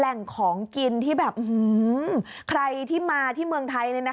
แหล่งของกินที่แบบใครที่มาที่เมืองไทย